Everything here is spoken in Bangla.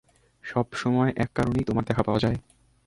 সবসময় এক কারণেই তোমার দেখা পাওয়া যায়।